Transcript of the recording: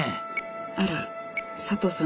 あら佐藤さん